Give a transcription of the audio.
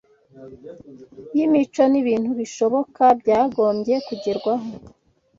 cy’imico n’ibintu bishoboka byagombye kugerwaho